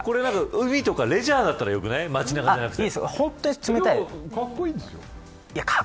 海とかレジャーだったらよくない、街中じゃなくて。